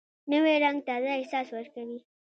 نوی رنګ تازه احساس ورکوي